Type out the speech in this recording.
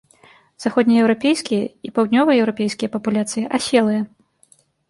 Заходнееўрапейскія і паўднёваеўрапейскія папуляцыі аселыя.